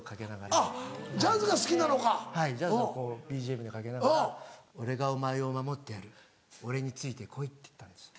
はいジャズをこうＢＧＭにかけながら「俺がお前を守ってやる俺について来い」って言ったんです。